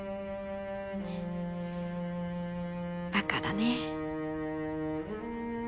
バカだね